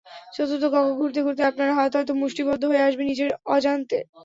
চতুর্থ কক্ষ ঘুরতে ঘুরতে আপনার হাত হয়তো মুষ্টিবদ্ধ হয়ে আসবে নিজের অজান্তে।